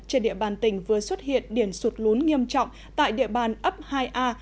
trên địa bàn tỉnh vừa xuất hiện điểm sụt lún nghiêm trọng tại địa bàn ấp hai a